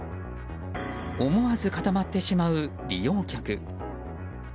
思わず固まってしまう利用客。